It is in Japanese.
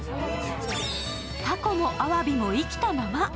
たこもあわびも生きたまま。